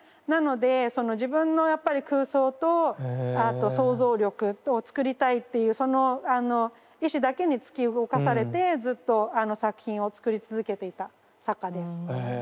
なのでその自分のやっぱり空想とあと想像力と作りたいっていうその意志だけに突き動かされてずっと作品を作り続けていた作家です。